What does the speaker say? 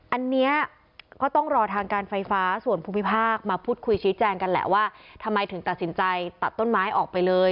อันนี้ก็ต้องรอทางการไฟฟ้าส่วนภูมิภาคมาพูดคุยชี้แจงกันแหละว่าทำไมถึงตัดสินใจตัดต้นไม้ออกไปเลย